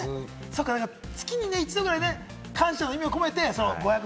月に一度ぐらい、感謝の意味を込めて５００円。